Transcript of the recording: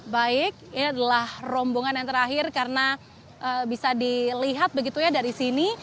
baik ini adalah rombongan yang terakhir karena bisa dilihat begitu ya dari sini